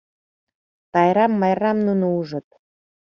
Тайрам, Майрам нуно ужыт.